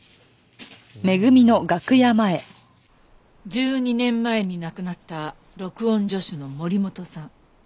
１２年前に亡くなった録音助手の森本さん